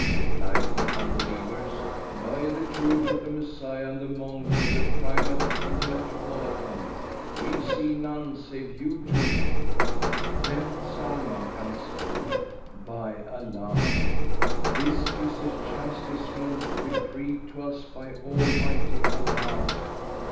' Replied the Unbelievers, "By the truth of the Messiah and the Monks, and the Primate and the Metropolitan, we see none save you two!" Then Zau Al Makan said, "By Allah, this is a chastisement decreed to us by Almighty Allah!"